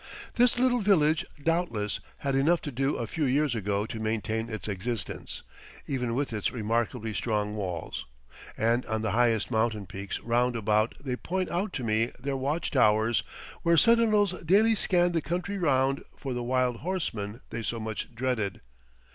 This little village, doubtless, had enough to do a few years ago to maintain its existence, even with its remarkably strong walls; and on the highest mountain peaks round about they point out to me their watch towers, where sentinels daily scanned the country round for the wild horsemen they so much dreaded.